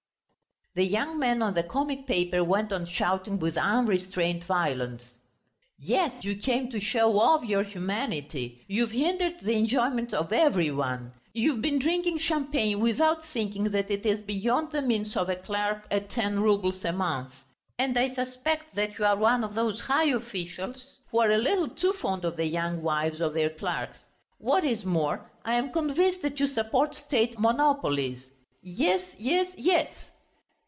The young man on the comic paper went on shouting with unrestrained violence: "Yes, you came to show off your humanity! You've hindered the enjoyment of every one. You've been drinking champagne without thinking that it is beyond the means of a clerk at ten roubles a month. And I suspect that you are one of those high officials who are a little too fond of the young wives of their clerks! What is more, I am convinced that you support State monopolies.... Yes, yes, yes!"